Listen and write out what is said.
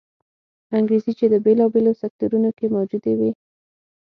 انګېزې چې د بېلابېلو سکتورونو کې موجودې وې